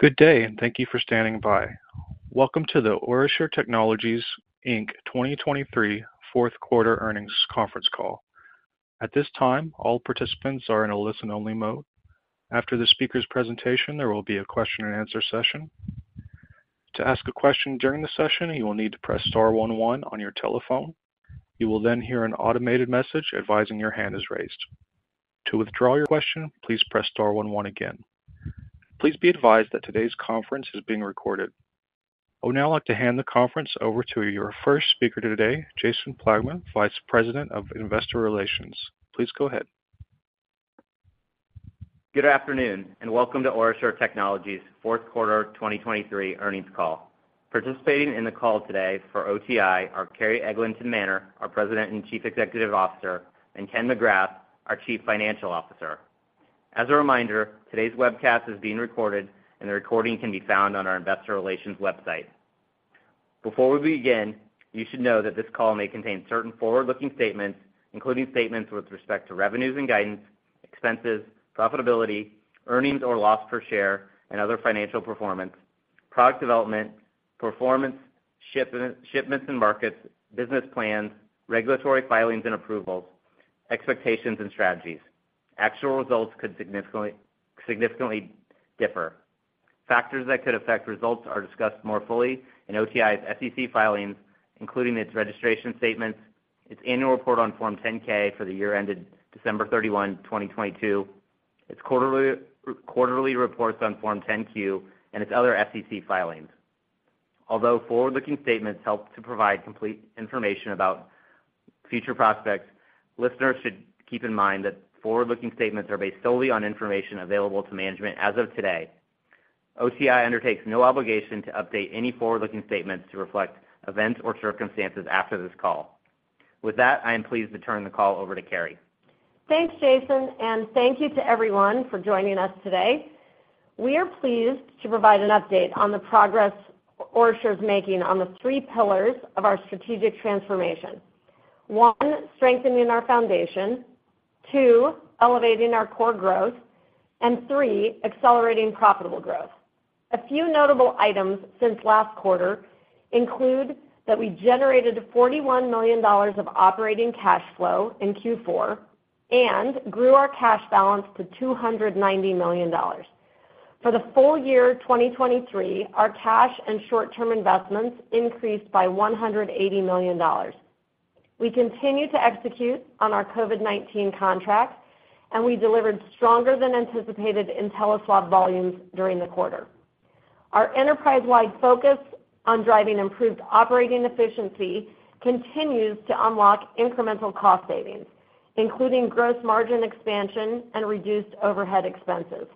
Good day, and thank you for standing by. Welcome to the OraSure Technologies, Inc. 2023 fourth quarter earnings conference call. At this time, all participants are in a listen-only mode. After the speaker's presentation, there will be a question-and-answer session. To ask a question during the session, you will need to press star one one on your telephone. You will then hear an automated message advising your hand is raised. To withdraw your question, please press star one one again. Please be advised that today's conference is being recorded. I would now like to hand the conference over to your first speaker today, Jason Plagman, Vice President of Investor Relations. Please go ahead. Good afternoon, and welcome to OraSure Technologies' fourth quarter 2023 earnings call. Participating in the call today for OTI are Carrie Eglinton Manner, our President and Chief Executive Officer, and Ken McGrath. As a reminder, today's webcast is being recorded, and the recording can be found on our investor relations website. Before we begin, you should know that this call may contain certain forward-looking statements, including statements with respect to revenues and guidance, expenses, profitability, earnings or loss per share and other financial performance, product development, performance, shipments and markets, business plans, regulatory filings and approvals, expectations and strategies. Actual results could significantly differ. Factors that could affect results are discussed more fully in OTI's SEC filings, including its registration statements, its annual report on Form 10-K for the year ended December 31, 2022, its quarterly reports on Form 10-Q, and its other SEC filings. Although forward-looking statements help to provide complete information about future prospects, listeners should keep in mind that forward-looking statements are based solely on information available to management as of today. OTI undertakes no obligation to update any forward-looking statements to reflect events or circumstances after this call. With that, I am pleased to turn the call over to Carrie. Thanks, Jason, and thank you to everyone for joining us today. We are pleased to provide an update on the progress OraSure is making on the three pillars of our strategic transformation. One, strengthening our foundation, two, elevating our core growth, and three, accelerating profitable growth. A few notable items since last quarter include that we generated $41 million of operating cash flow in Q4 and grew our cash balance to $290 million. For the full year 2023, our cash and short-term investments increased by $180 million. We continue to execute on our COVID-19 contracts, and we delivered stronger than anticipated InteliSwab volumes during the quarter. Our enterprise-wide focus on driving improved operating efficiency continues to unlock incremental cost savings, including gross margin expansion and reduced overhead expenses.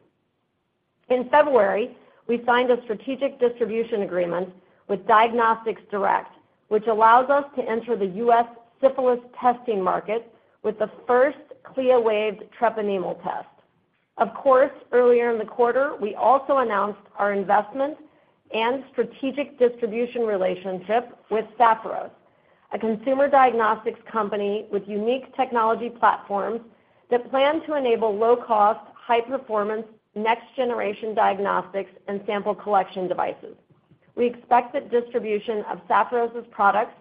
In February, we signed a strategic distribution agreement with Diagnostics Direct, which allows us to enter the U.S. syphilis testing market with the first CLIA-waived treponemal test. Of course, earlier in the quarter, we also announced our investment and strategic distribution relationship with Sapphiros, a consumer diagnostics company with unique technology platforms that plan to enable low-cost, high-performance, next-generation diagnostics and sample collection devices. We expect that distribution of Sapphiros' products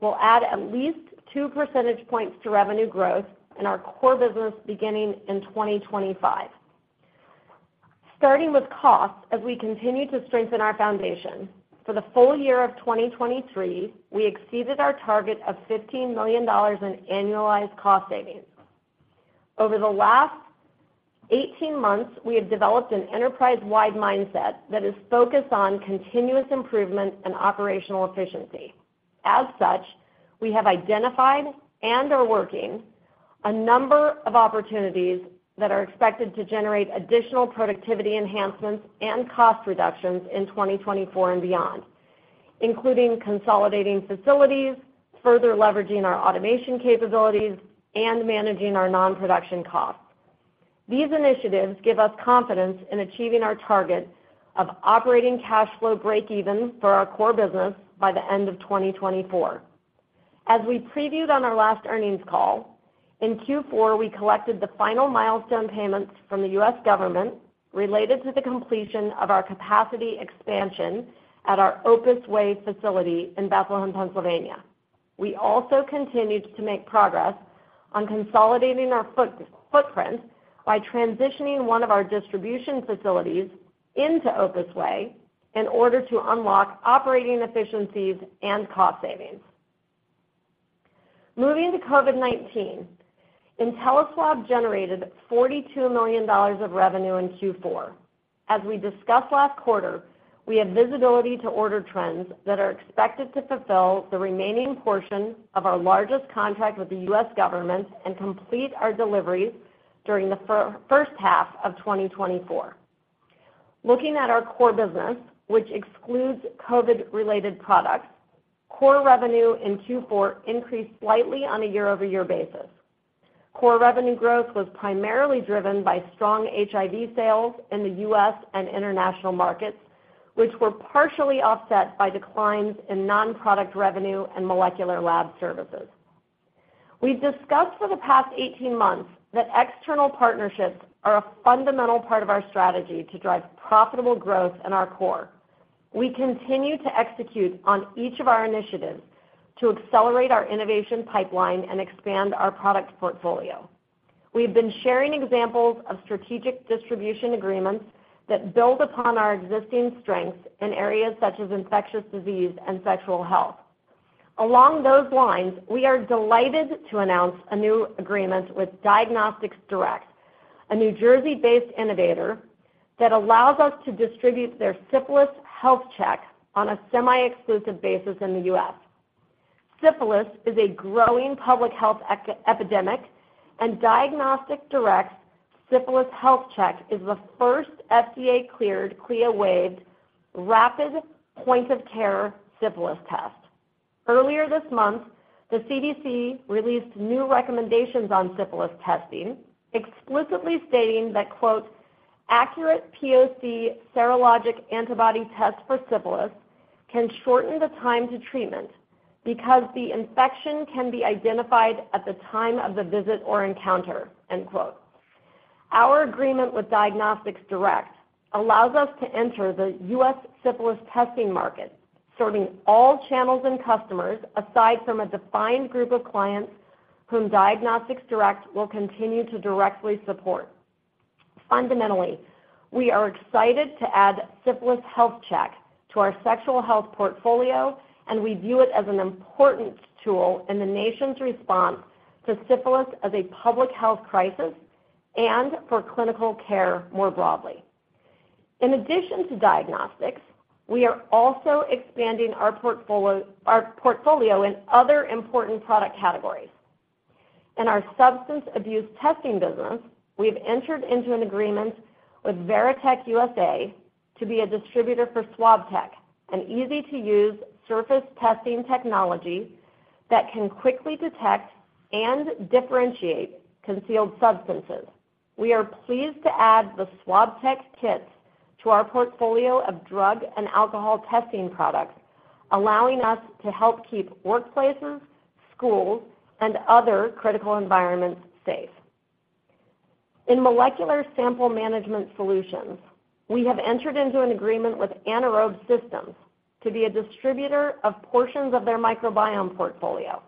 will add at least two percentage points to revenue growth in our core business beginning in 2025. Starting with costs, as we continue to strengthen our foundation, for the full year of 2023, we exceeded our target of $15 million in annualized cost savings. Over the last 18 months, we have developed an enterprise-wide mindset that is focused on continuous improvement and operational efficiency. As such, we have identified and are working a number of opportunities that are expected to generate additional productivity enhancements and cost reductions in 2024 and beyond, including consolidating facilities, further leveraging our automation capabilities, and managing our non-production costs. These initiatives give us confidence in achieving our target of operating cash flow breakeven for our core business by the end of 2024. As we previewed on our last earnings call, in Q4, we collected the final milestone payments from the U.S. government related to the completion of our capacity expansion at our Opus Way facility in Bethlehem, Pennsylvania. We also continued to make progress on consolidating our footprint by transitioning one of our distribution facilities into Opus Way in order to unlock operating efficiencies and cost savings. Moving to COVID-19, InteliSwab generated $42 million of revenue in Q4. As we discussed last quarter, we have visibility to order trends that are expected to fulfill the remaining portion of our largest contract with the U.S. government and complete our deliveries during the first half of 2024. Looking at our core business, which excludes COVID-related products, core revenue in Q4 increased slightly on a year-over-year basis. Core revenue growth was primarily driven by strong HIV sales in the U.S. and international markets, which were partially offset by declines in non-product revenue and molecular lab services. We've discussed for the past 18 months that external partnerships are a fundamental part of our strategy to drive profitable growth in our core. We continue to execute on each of our initiatives to accelerate our innovation pipeline and expand our product portfolio. We've been sharing examples of strategic distribution agreements that build upon our existing strengths in areas such as infectious disease and sexual health. Along those lines, we are delighted to announce a new agreement with Diagnostics Direct, a New Jersey-based innovator that allows us to distribute their Syphilis Health Check on a semi-exclusive basis in the U.S. Syphilis is a growing public health epidemic, and Diagnostics Direct's Syphilis Health Check is the first FDA-cleared, CLIA-waived, rapid point-of-care syphilis test. Earlier this month, the CDC released new recommendations on syphilis testing, explicitly stating that, quote, "Accurate POC serologic antibody tests for syphilis can shorten the time to treatment because the infection can be identified at the time of the visit or encounter," end quote. Our agreement with Diagnostics Direct allows us to enter the U.S. syphilis testing market, serving all channels and customers, aside from a defined group of clients whom Diagnostics Direct will continue to directly support. Fundamentally, we are excited to add Syphilis Health Check to our sexual health portfolio, and we view it as an important tool in the nation's response to syphilis as a public health crisis and for clinical care more broadly. In addition to diagnostics, we are also expanding our portfolio in other important product categories. In our substance abuse testing business, we've entered into an agreement with Veriteque USA to be a distributor for SwabTek, an easy-to-use surface testing technology that can quickly detect and differentiate concealed substances. We are pleased to add the SwabTek kits to our portfolio of drug and alcohol testing products, allowing us to help keep workplaces, schools, and other critical environments safe. In molecular sample management solutions, we have entered into an agreement with Anaerobe Systems to be a distributor of portions of their microbiome portfolio.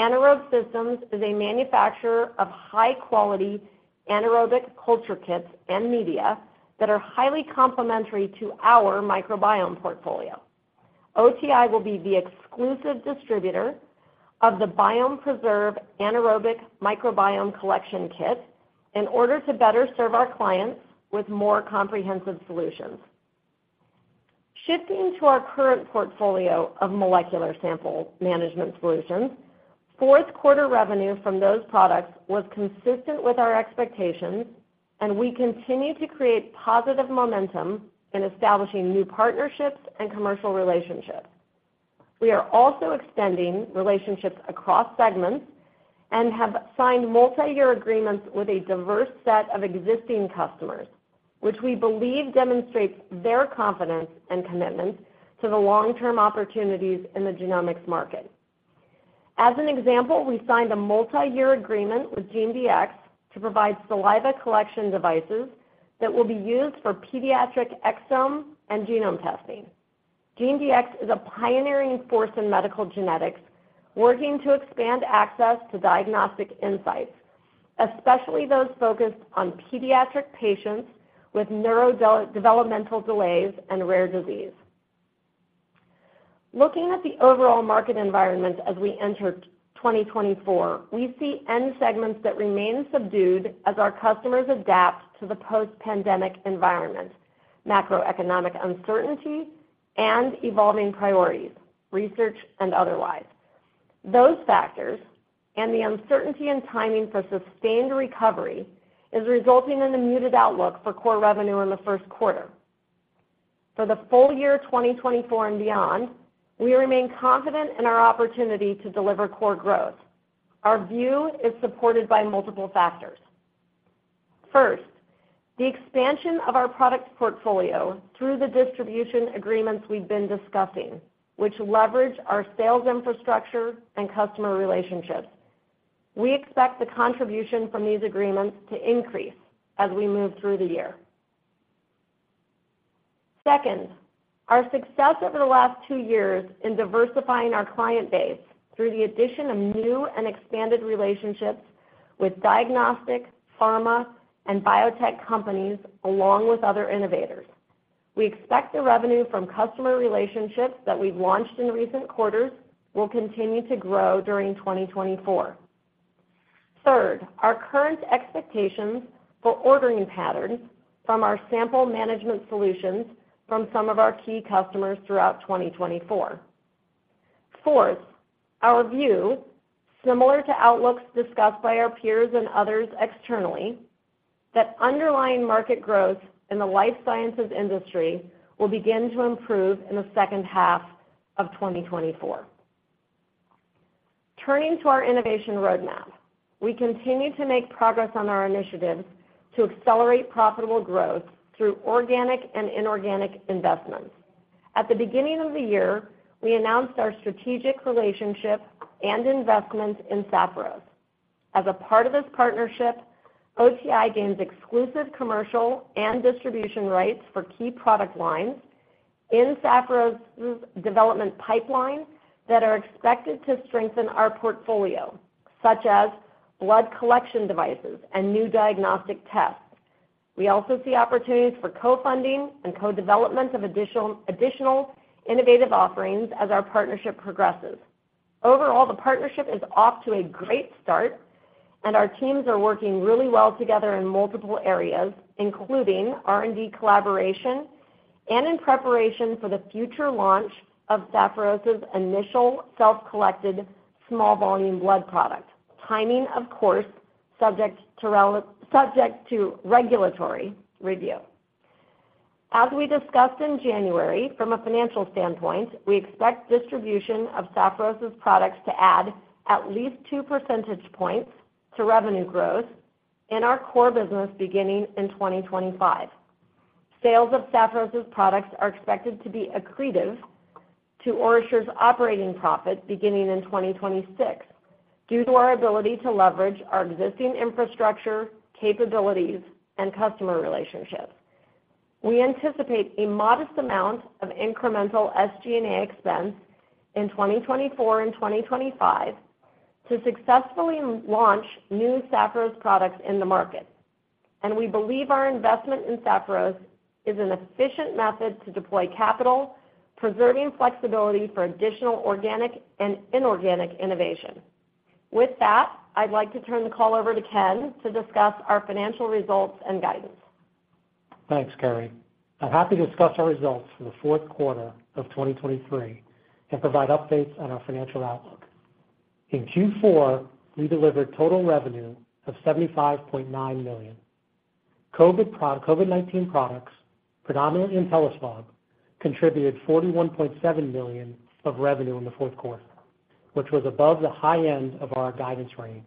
Anaerobe Systems is a manufacturer of high-quality anaerobic culture kits and media that are highly complementary to our microbiome portfolio. OTI will be the exclusive distributor of the BiomePreserve anaerobic microbiome collection kit in order to better serve our clients with more comprehensive solutions. Shifting to our current portfolio of molecular sample management solutions, fourth quarter revenue from those products was consistent with our expectations, and we continue to create positive momentum in establishing new partnerships and commercial relationships. We are also extending relationships across segments and have signed multiyear agreements with a diverse set of existing customers, which we believe demonstrates their confidence and commitment to the long-term opportunities in the genomics market. As an example, we signed a multiyear agreement with GeneDx to provide saliva collection devices that will be used for pediatric exome and genome testing. GeneDx is a pioneering force in medical genetics, working to expand access to diagnostic insights, especially those focused on pediatric patients with neurodevelopmental delays and rare disease. Looking at the overall market environment as we enter 2024, we see end segments that remain subdued as our customers adapt to the post-pandemic environment, macroeconomic uncertainty, and evolving priorities, research and otherwise. Those factors, and the uncertainty in timing for sustained recovery, is resulting in a muted outlook for core revenue in the first quarter. For the full year 2024 and beyond, we remain confident in our opportunity to deliver core growth. Our view is supported by multiple factors. First, the expansion of our product portfolio through the distribution agreements we've been discussing, which leverage our sales infrastructure and customer relationships. We expect the contribution from these agreements to increase as we move through the year. Second, our success over the last 2 years in diversifying our client base through the addition of new and expanded relationships with diagnostic, pharma, and biotech companies, along with other innovators. We expect the revenue from customer relationships that we've launched in recent quarters will continue to grow during 2024. Third, our current expectations for ordering patterns from our sample management solutions from some of our key customers throughout 2024. Fourth, our view, similar to outlooks discussed by our peers and others externally, that underlying market growth in the life sciences industry will begin to improve in the second half of 2024. Turning to our innovation roadmap, we continue to make progress on our initiatives to accelerate profitable growth through organic and inorganic investments. At the beginning of the year, we announced our strategic relationship and investment in Sapphiros. As a part of this partnership, OTI gains exclusive commercial and distribution rights for key product lines in Sapphiros' development pipeline that are expected to strengthen our portfolio, such as blood collection devices and new diagnostic tests. We also see opportunities for co-funding and co-development of additional innovative offerings as our partnership progresses. Overall, the partnership is off to a great start, and our teams are working really well together in multiple areas, including R&D collaboration and in preparation for the future launch of Sapphiros' initial self-collected small volume blood product. Timing, of course, subject to regulatory review. As we discussed in January, from a financial standpoint, we expect distribution of Sapphiros' products to add at least two percentage points to revenue growth in our core business beginning in 2025. Sales of Sapphiros' products are expected to be accretive to OraSure's operating profit beginning in 2026, due to our ability to leverage our existing infrastructure, capabilities, and customer relationships. We anticipate a modest amount of incremental SG&A expense in 2024 and 2025 to successfully launch new Sapphiros products in the market, and we believe our investment in Sapphiros is an efficient method to deploy capital, preserving flexibility for additional organic and inorganic innovation. With that, I'd like to turn the call over to Ken to discuss our financial results and guidance. Thanks, Carrie. I'm happy to discuss our results for the fourth quarter of 2023 and provide updates on our financial outlook. In Q4, we delivered total revenue of $75.9 million. COVID-19 products, predominantly InteliSwab, contributed $41.7 million of revenue in the fourth quarter, which was above the high end of our guidance range.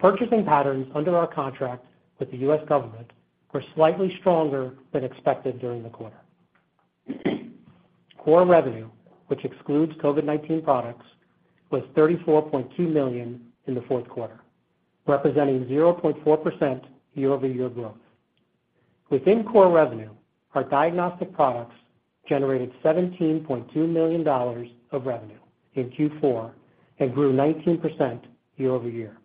Purchasing patterns under our contract with the U.S. government were slightly stronger than expected during the quarter. Core revenue, which excludes COVID-19 products, was $34.2 million in the fourth quarter, representing 0.4% year-over-year growth. Within core revenue, our diagnostic products generated $17.2 million of revenue in Q4 and grew 19% year-over-year.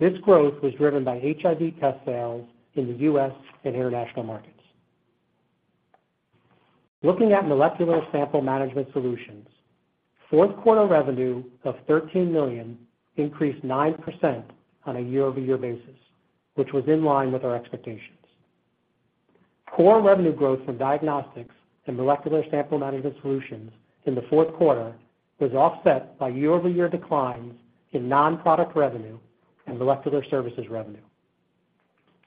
This growth was driven by HIV test sales in the US and international markets. Looking at molecular sample management solutions, fourth quarter revenue of $13 million increased 9% on a year-over-year basis, which was in line with our expectations. Core revenue growth from diagnostics and molecular sample management solutions in the fourth quarter was offset by year-over-year declines in non-product revenue and molecular services revenue.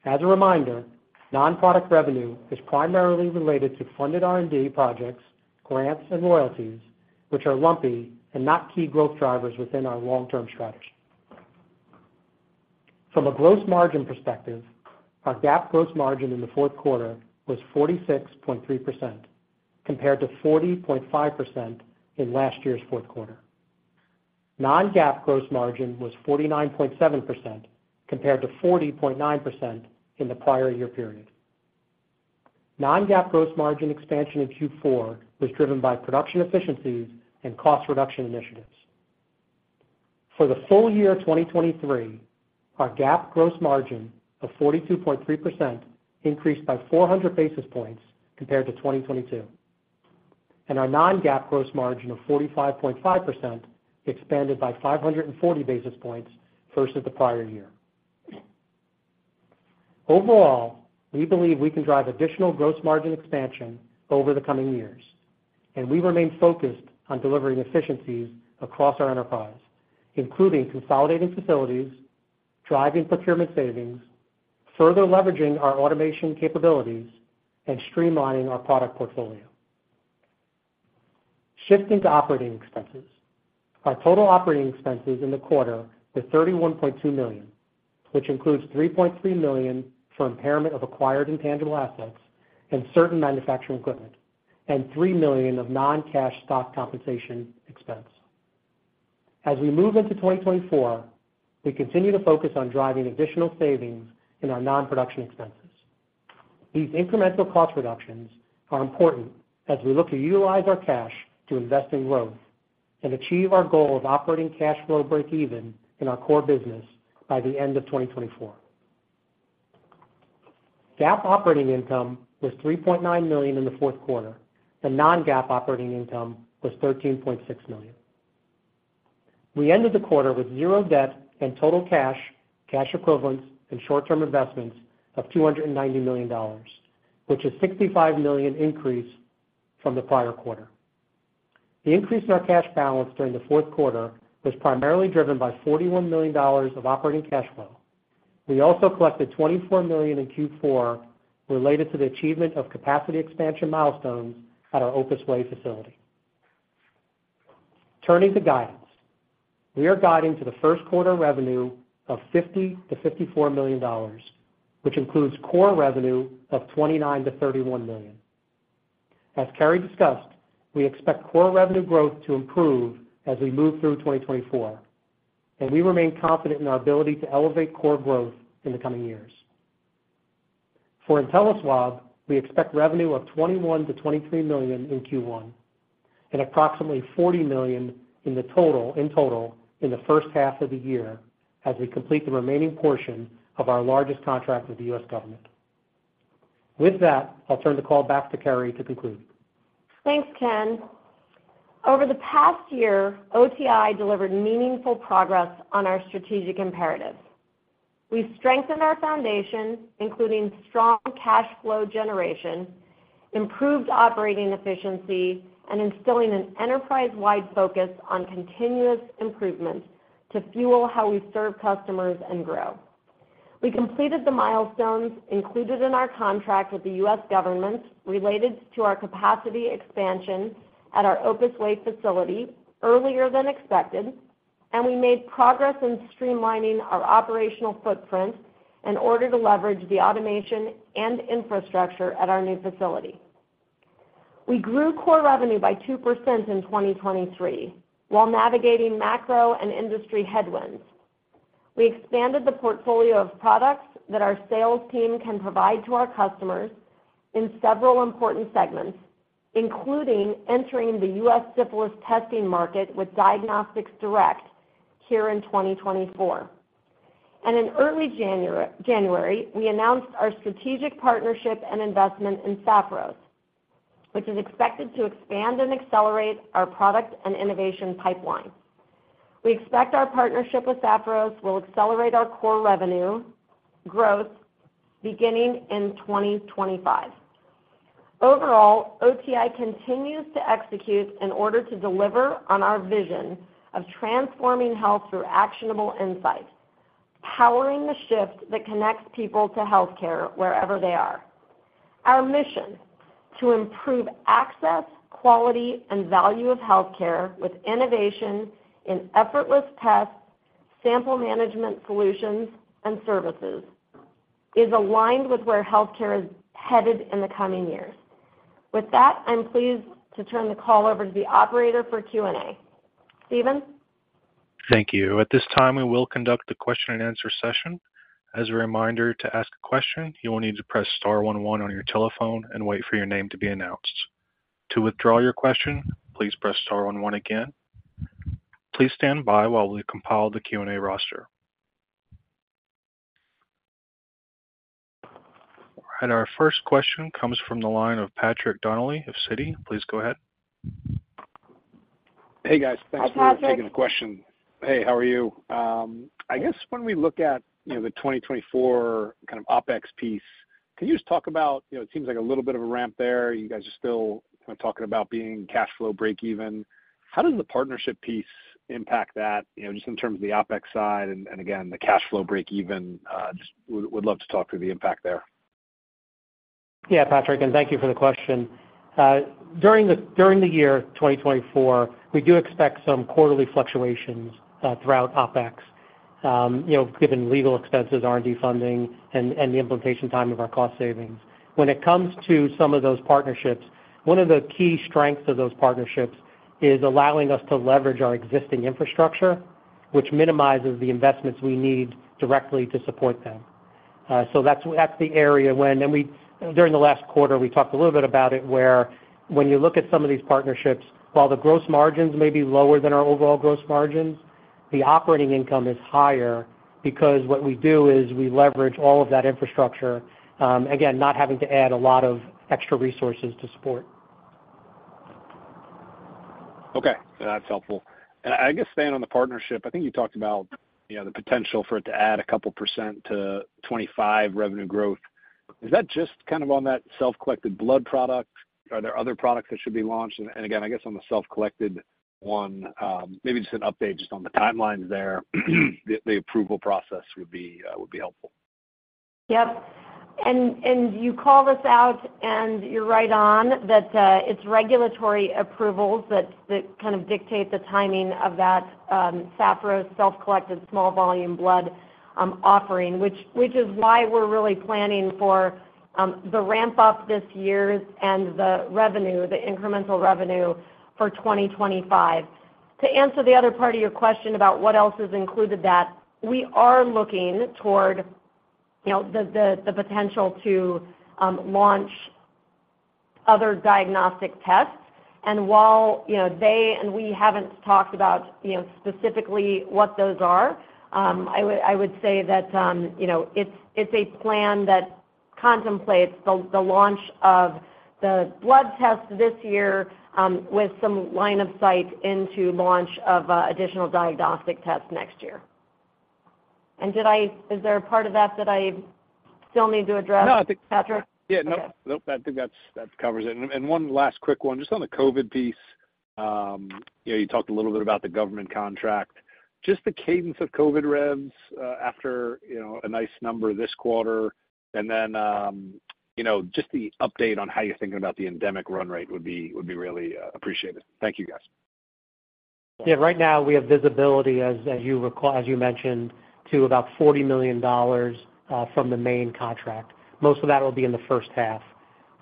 As a reminder, non-product revenue is primarily related to funded R&D projects, grants, and royalties, which are lumpy and not key growth drivers within our long-term strategy. From a gross margin perspective, our GAAP gross margin in the fourth quarter was 46.3%, compared to 40.5% in last year's fourth quarter. Non-GAAP gross margin was 49.7%, compared to 40.9% in the prior year period. Non-GAAP gross margin expansion in Q4 was driven by production efficiencies and cost reduction initiatives. For the full year 2023, our GAAP gross margin of 42.3% increased by 400 basis points compared to 2022, and our non-GAAP gross margin of 45.5% expanded by 540 basis points versus the prior year. Overall, we believe we can drive additional gross margin expansion over the coming years, and we remain focused on delivering efficiencies across our enterprise, including consolidating facilities, driving procurement savings, further leveraging our automation capabilities, and streamlining our product portfolio. Shifting to operating expenses. Our total operating expenses in the quarter were $31.2 million, which includes $3.3 million for impairment of acquired intangible assets and certain manufacturing equipment, and $3 million of non-cash stock compensation expense. As we move into 2024, we continue to focus on driving additional savings in our non-production expenses. These incremental cost reductions are important as we look to utilize our cash to invest in growth and achieve our goal of operating cash flow breakeven in our core business by the end of 2024. GAAP operating income was $3.9 million in the fourth quarter, and non-GAAP operating income was $13.6 million. We ended the quarter with 0 debt and total cash, cash equivalents, and short-term investments of $290 million, which is $65 million increase from the prior quarter. The increase in our cash balance during the fourth quarter was primarily driven by $41 million of operating cash flow. We also collected $24 million in Q4 related to the achievement of capacity expansion milestones at our Opus Way facility. Turning to guidance. We are guiding to the first quarter revenue of $50 million-$54 million, which includes core revenue of $29 million-$31 million. As Carrie discussed, we expect core revenue growth to improve as we move through 2024, and we remain confident in our ability to elevate core growth in the coming years. For InteliSwab, we expect revenue of $21 million-$23 million in Q1 and approximately $40 million in the total, in total in the first half of the year as we complete the remaining portion of our largest contract with the U.S. government. With that, I'll turn the call back to Carrie to conclude. Thanks, Ken. Over the past year, OTI delivered meaningful progress on our strategic imperatives. We've strengthened our foundation, including strong cash flow generation, improved operating efficiency, and instilling an enterprise-wide focus on continuous improvement to fuel how we serve customers and grow. We completed the milestones included in our contract with the U.S. government related to our capacity expansion at our Opus Way facility earlier than expected, and we made progress in streamlining our operational footprint in order to leverage the automation and infrastructure at our new facility. We grew core revenue by 2% in 2023 while navigating macro and industry headwinds. We expanded the portfolio of products that our sales team can provide to our customers in several important segments, including entering the U.S. syphilis testing market with Diagnostics Direct here in 2024. In early January, we announced our strategic partnership and investment in Sapphiros, which is expected to expand and accelerate our product and innovation pipeline. We expect our partnership with Sapphiros will accelerate our core revenue growth beginning in 2025. Overall, OTI continues to execute in order to deliver on our vision of transforming health through actionable insights, powering the shift that connects people to healthcare wherever they are. Our mission: to improve access, quality, and value of healthcare with innovation in effortless tests, sample management solutions, and services, is aligned with where healthcare is headed in the coming years. With that, I'm pleased to turn the call over to the operator for Q&A. Steven? Thank you. At this time, we will conduct a question-and-answer session. As a reminder, to ask a question, you will need to press star one one on your telephone and wait for your name to be announced. To withdraw your question, please press star one one again. Please stand by while we compile the Q&A roster. Our first question comes from the line of Patrick Donnelly of Citi. Please go ahead. Hey, guys. Hi, Patrick. Thanks for taking the question. Hey, how are you? I guess when we look at, you know, the 2024 kind of OpEx piece, can you just talk about, you know, it seems like a little bit of a ramp there. You guys are still kind of talking about being cash flow breakeven. How does the partnership piece impact that, you know, just in terms of the OpEx side and, and again, the cash flow breakeven? Just would, would love to talk through the impact there. Yeah, Patrick, and thank you for the question. During the year 2024, we do expect some quarterly fluctuations throughout OpEx, you know, given legal expenses, R&D funding, and the implementation time of our cost savings. When it comes to some of those partnerships, one of the key strengths of those partnerships is allowing us to leverage our existing infrastructure, which minimizes the investments we need directly to support them. So that's the area when. And during the last quarter, we talked a little bit about it, where when you look at some of these partnerships, while the gross margins may be lower than our overall gross margins, the operating income is higher because what we do is we leverage all of that infrastructure, again, not having to add a lot of extra resources to support. Okay, that's helpful. And I guess staying on the partnership, I think you talked about, you know, the potential for it to add a couple% to 25 revenue growth. Is that just kind of on that self-collected blood product? Are there other products that should be launched? And again, I guess on the self-collected one, maybe just an update just on the timelines there, the approval process would be helpful. Yep. And you call this out, and you're right on that, it's regulatory approvals that kind of dictate the timing of that, Sapphiros self-collected small volume blood offering, which is why we're really planning for the ramp-up this year and the revenue, the incremental revenue for 2025. To answer the other part of your question about what else is included that, we are looking toward, you know, the potential to launch other diagnostic tests. And while, you know, they and we haven't talked about, you know, specifically what those are, I would say that, you know, it's a plan that contemplates the launch of the blood test this year, with some line of sight into launch of additional diagnostic tests next year. Is there a part of that that I still need to address? No, I think- Patrick? Yeah. No. Okay. Nope, I think that's that covers it. And one last quick one, just on the COVID piece. You know, you talked a little bit about the government contract. Just the cadence of COVID revs after you know, a nice number this quarter, and then you know, just the update on how you're thinking about the endemic run rate would be really appreciated. Thank you, guys. Yeah, right now we have visibility as you mentioned, to about $40 million from the main contract. Most of that will be in the first half.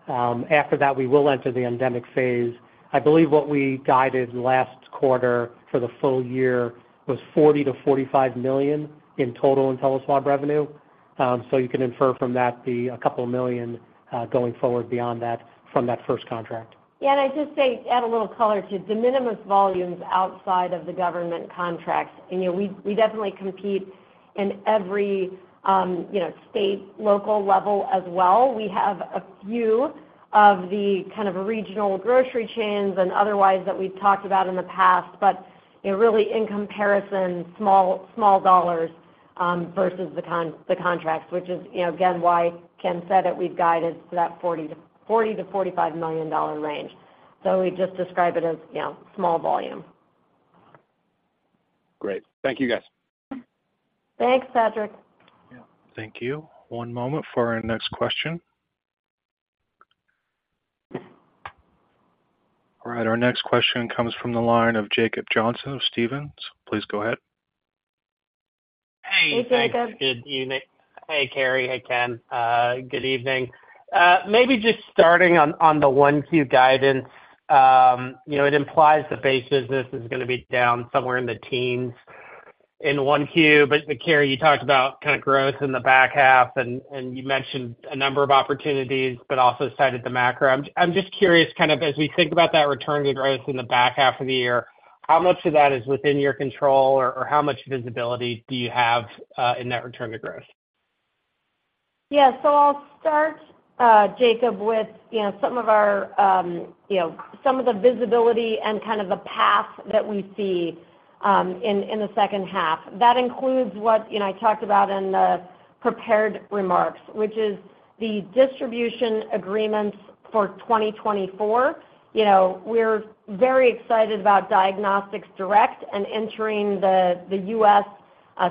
After that, we will enter the endemic phase. I believe what we guided last quarter for the full year was $40 million-$45 million in total InteliSwab revenue. So you can infer from that a couple of million going forward beyond that from that first contract. Yeah, and I'd just say, add a little color to de minimis volumes outside of the government contracts. And, you know, we definitely compete in every, you know, state, local level as well. We have a few of the kind of regional grocery chains and otherwise that we've talked about in the past, but, you know, really in comparison, small dollars versus the contracts, which is, you know, again, why Ken said that we've guided to that $40 million-$45 million range. So we just describe it as, you know, small volume. Great. Thank you, guys. Thanks, Patrick. Yeah. Thank you. One moment for our next question. All right, our next question comes from the line of Jacob Johnson of Stephens. Please go ahead. Hey. Hey, Jacob. Good evening. Hey, Carrie. Hey, Ken. Good evening. Maybe just starting on the 1Q guidance. You know, it implies the base business is gonna be down somewhere in the teens in 1Q. But Carrie, you talked about kind of growth in the back half, and you mentioned a number of opportunities, but also cited the macro. I'm just curious, kind of, as we think about that return to growth in the back half of the year, how much of that is within your control, or how much visibility do you have in that return to growth? Yeah. So I'll start, Jacob, with, you know, some of our, you know, some of the visibility and kind of the path that we see, in, in the second half. That includes what, you know, I talked about in the prepared remarks, which is the distribution agreements for 2024. You know, we're very excited about Diagnostics Direct and entering the, the U.S.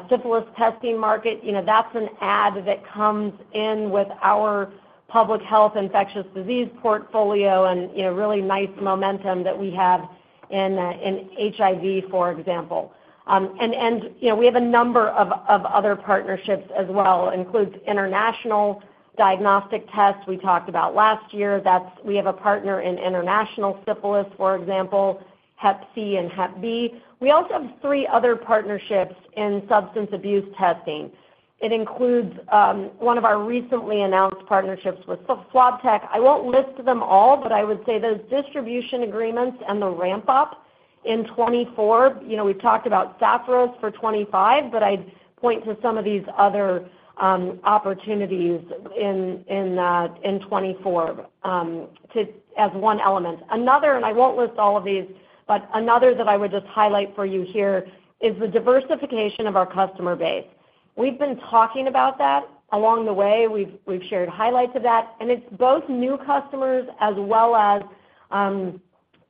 syphilis testing market. You know, that's an add that comes in with our public health infectious disease portfolio and, you know, really nice momentum that we have in, in HIV, for example. And, and, you know, we have a number of, of other partnerships as well, includes international diagnostic tests we talked about last year. That's. We have a partner in international syphilis, for example, Hep C and Hep B. We also have three other partnerships in substance abuse testing. It includes one of our recently announced partnerships with SwabTek. I won't list them all, but I would say those distribution agreements and the ramp up in 2024, you know, we've talked about Sapphiros for 2025, but I'd point to some of these other opportunities in 2024 as one element. Another, and I won't list all of these, but another that I would just highlight for you here is the diversification of our customer base. We've been talking about that. Along the way, we've shared highlights of that, and it's both new customers as well as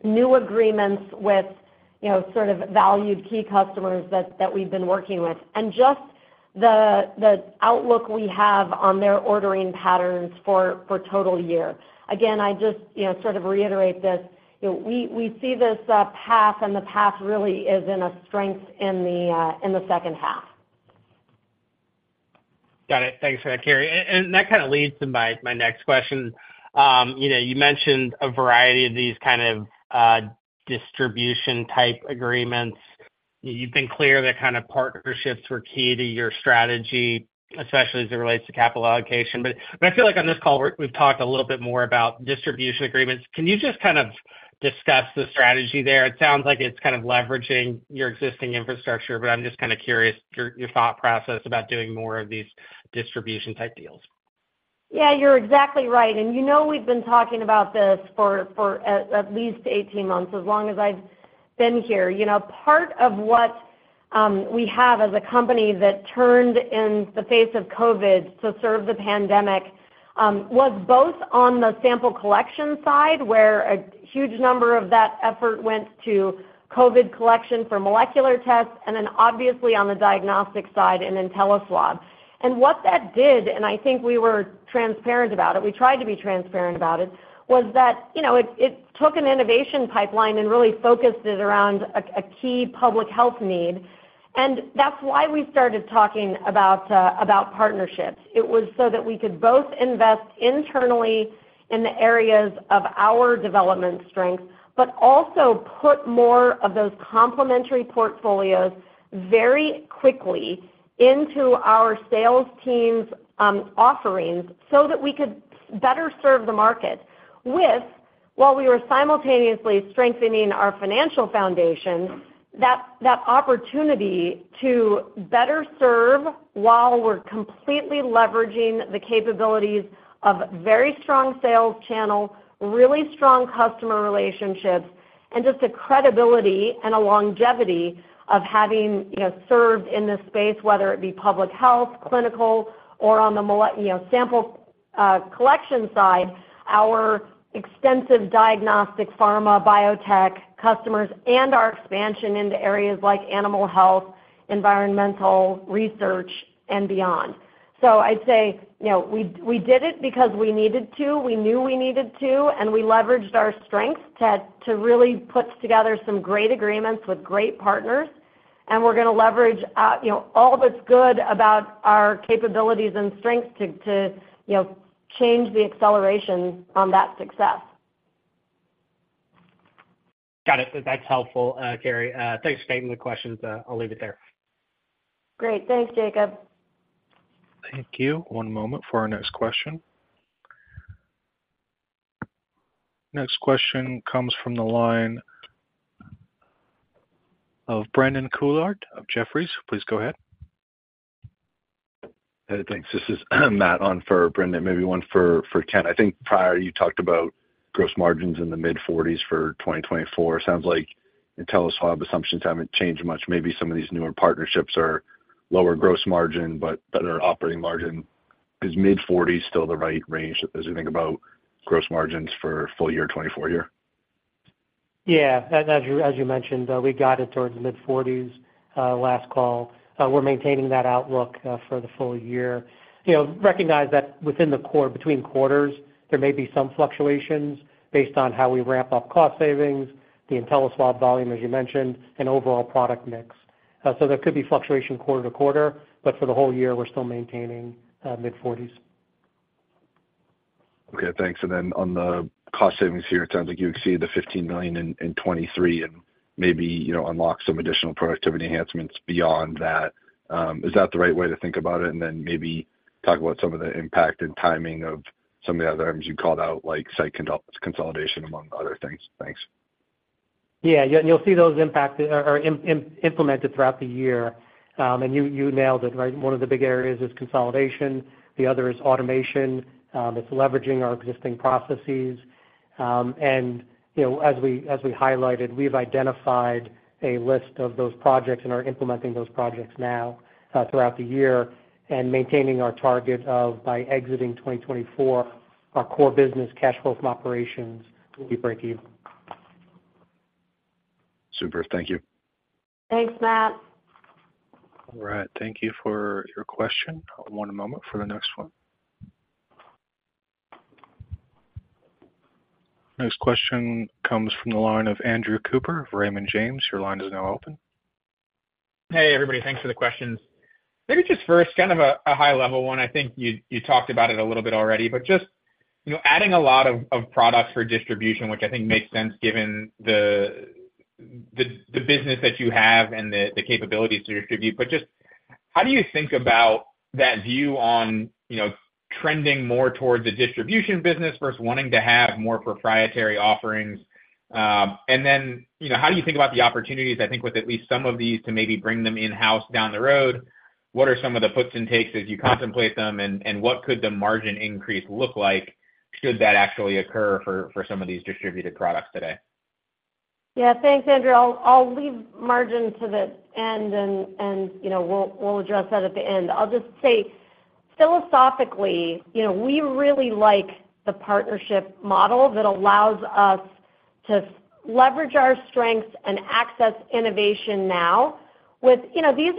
new agreements with, you know, sort of valued key customers that we've been working with, and just the outlook we have on their ordering patterns for total year. Again, I just, you know, sort of reiterate this: You know, we see this path, and the path really is in a strength in the second half. Got it. Thanks for that, Carrie. And that kind of leads to my next question. You know, you mentioned a variety of these kind of distribution-type agreements. You've been clear that kind of partnerships were key to your strategy, especially as it relates to capital allocation. But I feel like on this call, we've talked a little bit more about distribution agreements. Can you just kind of discuss the strategy there? It sounds like it's kind of leveraging your existing infrastructure, but I'm just kind of curious your thought process about doing more of these distribution-type deals. Yeah, you're exactly right. And you know, we've been talking about this for at least 18 months, as long as I've been here. You know, part of what we have as a company that turned in the face of COVID to serve the pandemic was both on the sample collection side, where a huge number of that effort went to COVID collection for molecular tests, and then obviously on the diagnostic side in InteliSwab. And what that did, and I think we were transparent about it, we tried to be transparent about it, was that, you know, it took an innovation pipeline and really focused it around a key public health need. And that's why we started talking about partnerships. It was so that we could both invest internally in the areas of our development strength, but also put more of those complementary portfolios very quickly into our sales team's offerings, so that we could better serve the market with while we were simultaneously strengthening our financial foundation, that opportunity to better serve while we're completely leveraging the capabilities of very strong sales channel, really strong customer relationships, and just a credibility and a longevity of having, you know, served in this space, whether it be public health, clinical, or on the molecular, you know, sample collection side, our extensive diagnostic pharma biotech customers and our expansion into areas like animal health, environmental research, and beyond. So I'd say, you know, we did it because we needed to. We knew we needed to, and we leveraged our strengths to, to really put together some great agreements with great partners. We're going to leverage out, you know, all that's good about our capabilities and strengths to, to, you know, change the acceleration on that success. Got it. That's helpful, Carrie. Thanks for taking the questions. I'll leave it there. Great. Thanks, Jacob. Thank you. One moment for our next question. Next question comes from the line of Brendan Couillard of Jefferies. Please go ahead. Hey, thanks. This is Matt on for Brendan. Maybe one for Ken. I think prior, you talked about gross margins in the mid-40s for 2024. Sounds like InteliSwab assumptions haven't changed much. Maybe some of these newer partnerships are lower gross margin, but better operating margin. Is mid-40s still the right range as you think about gross margins for full year 2024 year? Yeah. As, as you, as you mentioned, we got it towards mid-40s last call. We're maintaining that outlook for the full year. You know, recognize that within the quarter, between quarters, there may be some fluctuations based on how we ramp up cost savings, the InteliSwab volume, as you mentioned, and overall product mix. So there could be fluctuation quarter to quarter, but for the whole year, we're still maintaining mid-40s. Okay, thanks. And then on the cost savings here, it sounds like you exceeded the $15 million in 2023 and maybe, you know, unlock some additional productivity enhancements beyond that. Is that the right way to think about it? And then maybe talk about some of the impact and timing of some of the other items you called out, like site consolidation, among other things. Thanks. Yeah, yeah, and you'll see those impacts are implemented throughout the year. And you nailed it, right? One of the big areas is consolidation, the other is automation. It's leveraging our existing processes. And, you know, as we highlighted, we've identified a list of those projects and are implementing those projects now throughout the year and maintaining our target of by exiting 2024, our core business cash flow from operations will be breakeven. Super. Thank you. Thanks, Matt. All right. Thank you for your question. One moment for the next one. Next question comes from the line of Andrew Cooper of Raymond James. Your line is now open. Hey, everybody. Thanks for the questions. Maybe just first, kind of a high-level one. I think you talked about it a little bit already, but just, you know, adding a lot of products for distribution, which I think makes sense given the business that you have and the capabilities to distribute. But just how do you think about that view on, you know, trending more towards a distribution business versus wanting to have more proprietary offerings? And then, you know, how do you think about the opportunities, I think with at least some of these, to maybe bring them in-house down the road? What are some of the puts and takes as you contemplate them, and what could the margin increase look like, should that actually occur for some of these distributed products today? Yeah. Thanks, Andrew. I'll leave margin to the end and, you know, we'll address that at the end. I'll just say, philosophically, you know, we really like the partnership model that allows us to leverage our strengths and access innovation now. You know, these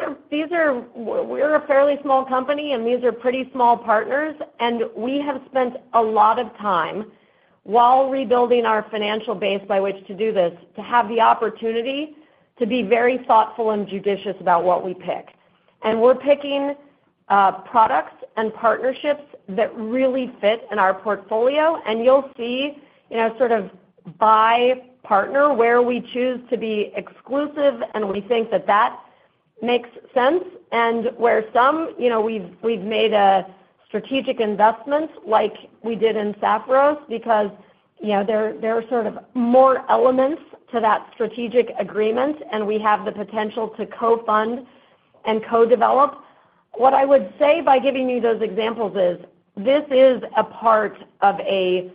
are. We're a fairly small company, and these are pretty small partners, and we have spent a lot of time while rebuilding our financial base by which to do this, to have the opportunity to be very thoughtful and judicious about what we pick. And we're picking products and partnerships that really fit in our portfolio, and you'll see, you know, sort of by partner, where we choose to be exclusive, and we think that that makes sense. Where some, you know, we've made a strategic investment, like we did in Sapphiros, because, you know, there are sort of more elements to that strategic agreement, and we have the potential to co-fund and co-develop. What I would say by giving you those examples is, this is a part of a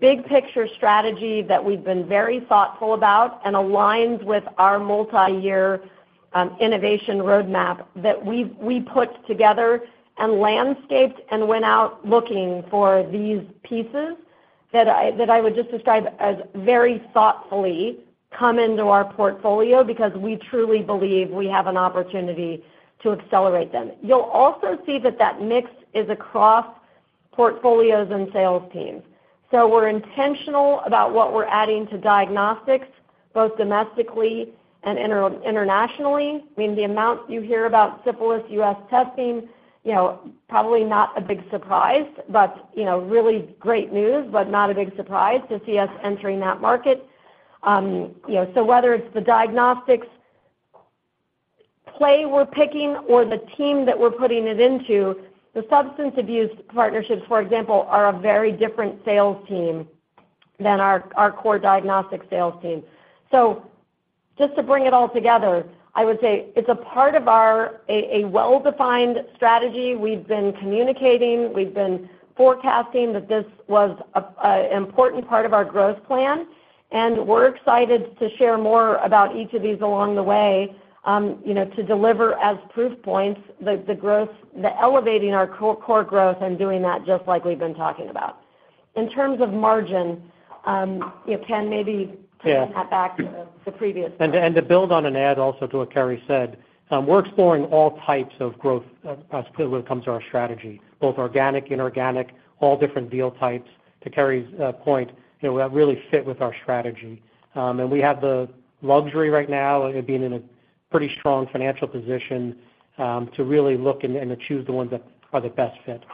big picture strategy that we've been very thoughtful about and aligns with our multiyear innovation roadmap that we've put together and landscaped and went out looking for these pieces that I would just describe as very thoughtfully come into our portfolio because we truly believe we have an opportunity to accelerate them. You'll also see that that mix is across portfolios and sales teams. So we're intentional about what we're adding to diagnostics, both domestically and internationally. I mean, the amount you hear about syphilis US testing, you know, probably not a big surprise, but, you know, really great news, but not a big surprise to see us entering that market. You know, so whether it's the diagnostics play we're picking or the team that we're putting it into, the substance abuse partnerships, for example, are a very different sales team than our core diagnostic sales team. So just to bring it all together, I would say it's a part of our a well-defined strategy. We've been communicating, we've been forecasting that this was a important part of our growth plan. And we're excited to share more about each of these along the way, you know, to deliver as proof points, the growth, elevating our core growth and doing that just like we've been talking about. In terms of margin, you know, Ken, maybe- Yeah. Taking that back to the previous point. To build on and add to what Carrie said, we're exploring all types of growth when it comes to our strategy, both organic, inorganic, all different deal types, to Carrie's point, you know, that really fit with our strategy. We have the luxury right now of being in a pretty strong financial position to really look and to choose the ones that are the best fit.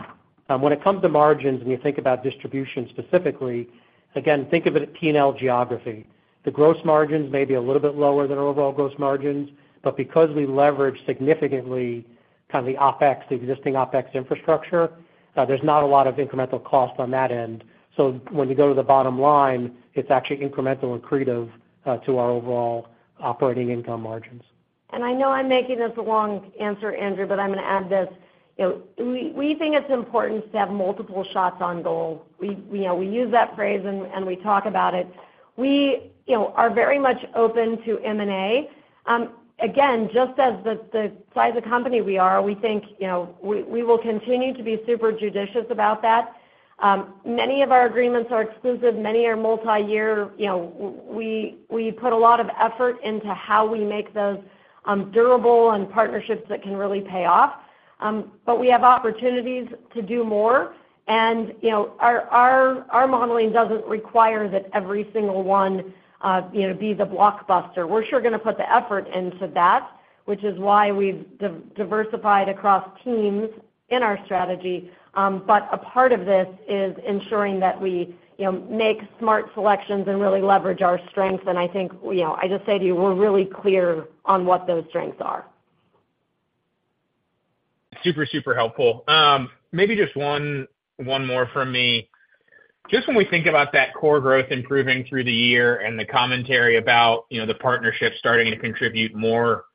When it comes to margins, and you think about distribution specifically, again, think of it as P&L geography. The gross margins may be a little bit lower than our overall gross margins, but because we leverage significantly kind of the OpEx, the existing OpEx infrastructure, there's not a lot of incremental cost on that end. When you go to the bottom line, it's actually incremental accretive to our overall operating income margins. I know I'm making this a long answer, Andrew, but I'm gonna add this. You know, we think it's important to have multiple shots on goal. We, you know, we use that phrase, and we talk about it. We, you know, are very much open to M&A. Again, just as the size of company we are, we think, you know, we will continue to be super judicious about that. Many of our agreements are exclusive. Many are multiyear. You know, we put a lot of effort into how we make those durable and partnerships that can really pay off. But we have opportunities to do more, and, you know, our modeling doesn't require that every single one, you know, be the blockbuster. We're sure gonna put the effort into that, which is why we've diversified across teams in our strategy. But a part of this is ensuring that we, you know, make smart selections and really leverage our strengths. I think, you know, I just say to you, we're really clear on what those strengths are. Super, super helpful. Maybe just one more from me. Just when we think about that core growth improving through the year and the commentary about, you know, the partnerships starting to contribute more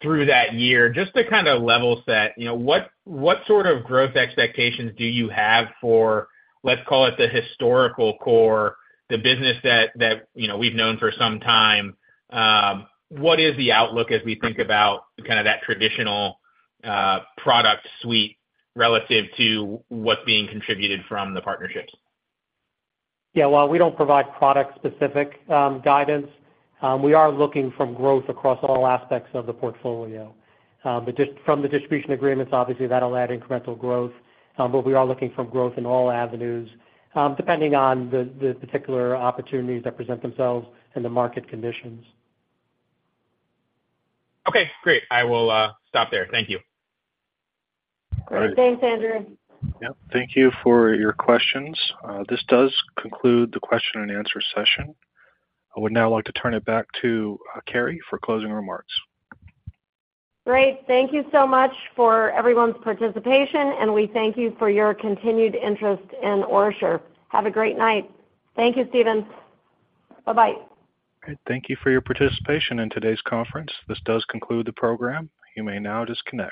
through that year, just to kind of level set, you know, what sort of growth expectations do you have for, let's call it, the historical core, the business that, you know, we've known for some time? What is the outlook as we think about kind of that traditional product suite relative to what's being contributed from the partnerships? Yeah, while we don't provide product-specific guidance, we are looking for growth across all aspects of the portfolio. But just from the distribution agreements, obviously, that'll add incremental growth, but we are looking for growth in all avenues, depending on the particular opportunities that present themselves and the market conditions. Okay, great. I will stop there. Thank you. Great. Thanks, Andrew. Yep, thank you for your questions. This does conclude the question and answer session. I would now like to turn it back to Carrie for closing remarks. Great. Thank you so much for everyone's participation, and we thank you for your continued interest in OraSure. Have a great night. Thank you, Steven. Bye-bye. All right. Thank you for your participation in today's conference. This does conclude the program. You may now disconnect.